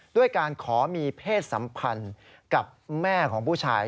ด้วยการขอมีเพศสัมพันธ์กับแม่ของผู้ชาย